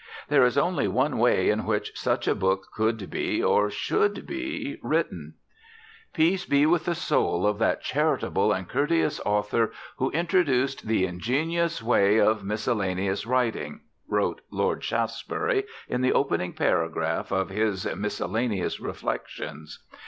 There is only one way in which such a book could be, or should be written. "Peace be with the soul of that charitable and Courteous Author who introduced the ingenious way of miscellaneous writing," wrote Lord Shaftsbury in the opening paragraph of his "Miscellaneous Reflections."